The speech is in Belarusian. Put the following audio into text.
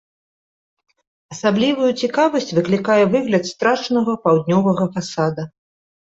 Асаблівую цікавасць выклікае выгляд страчанага паўднёвага фасада.